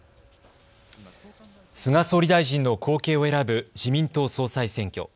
菅総理大臣の後継を選ぶ自民党総裁選挙。